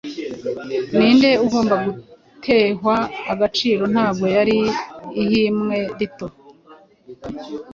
Ninde ugomba gutehwa agaciro ntabwo yari ihimwe rito